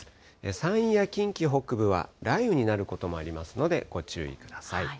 山陰や近畿北部は雷雨になることもありますので、ご注意ください。